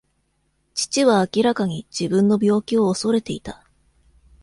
父は明らかに自分の病気を恐れていた。